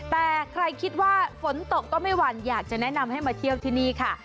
แต่ใครคิดว่าฝนตกก็ไม่หวั่นอยากจะแนะนำให้มาเที่ยวที่นี่ค่ะ